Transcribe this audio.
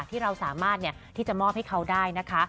ที่เราสามารถที่จะมอบให้เขาได้นะคะ